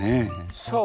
そう。